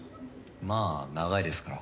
まあ長いですから。